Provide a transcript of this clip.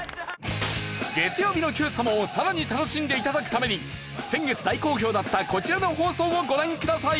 月曜日の『Ｑさま！！』をさらに楽しんで頂くために先月大好評だったこちらの放送をご覧ください。